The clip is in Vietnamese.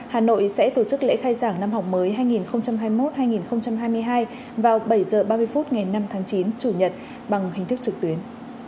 hà nội sẽ tổ chức lễ khai giảng năm học mới hai nghìn hai mươi một hai nghìn hai mươi hai vào bảy h ba mươi phút ngày năm tháng chín chủ nhật bằng hình thức trực tuyến